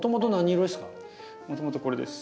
もともとこれです。